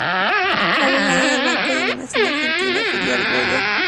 Fue abogado del Banco de la Nación Argentina, filial Goya.